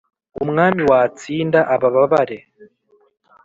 Umwami watsinda abababare